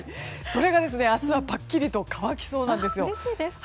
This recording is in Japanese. それが明日はぱっきりと乾きそうです。